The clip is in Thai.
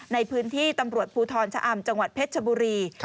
ในพื้นที่ตำรวจภูทรชะอำจังหวัดเพชรชบุรี